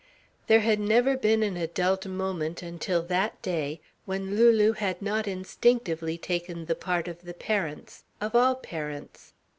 There had never been an adult moment until that day when Lulu had not instinctively taken the part of the parents, of all parents.